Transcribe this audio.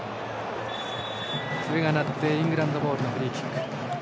笛が鳴ってイングランドボールのフリーキック。